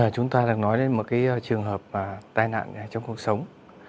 chúng ta đang nói đến một trường hợp tai nạn trong cuộc sống